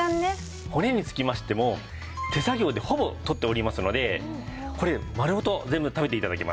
骨につきましても手作業でほぼ取っておりますのでこれ丸ごと全部食べて頂けます。